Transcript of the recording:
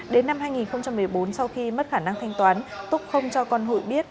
đến năm hai nghìn một mươi bốn sau khi mất khả năng thanh toán túc không cho con hụi biết